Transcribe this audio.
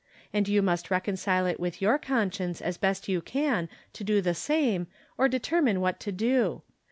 And you must reconcile it with your conscience, as best you can, to do the same, or determine what to do.